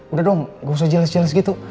udah dong ga usah jealous jealous gitu